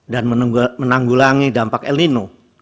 dan menanggulangi dampak el nino